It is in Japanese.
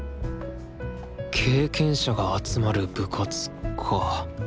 経験者が集まる部活か。